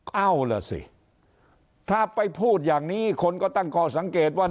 เอาล่ะสิถ้าไปพูดอย่างนี้คนก็ตั้งข้อสังเกตว่า